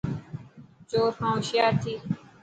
چور کان هوشيار ٿي.